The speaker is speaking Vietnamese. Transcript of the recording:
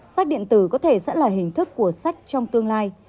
sách điện tử có thể sẽ là hình thức của sách trong tương lai